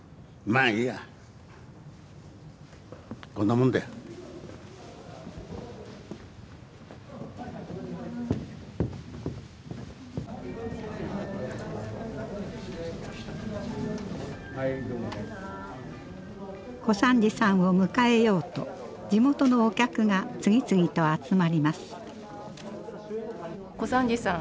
うん小三治さんを迎えようと地元のお客が次々と集まります。